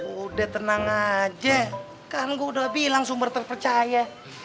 udah tenang aja kan gue udah bilang sumber terpercaya